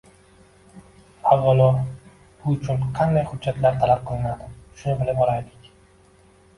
Avvalo bu uchun qanday xujjatlar talab qilinadi, shuni bilib olaylik.